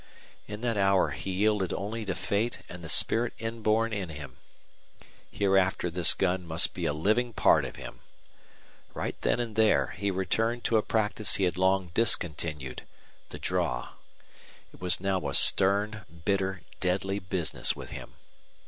In that hour he yielded only to fate and the spirit inborn in him. Hereafter this gun must be a living part of him. Right then and there he returned to a practice he had long discontinued the draw. It was now a stern, bitter, deadly business with him.